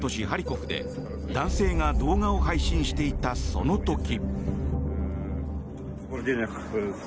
ハリコフで男性が動画を配信していたその時。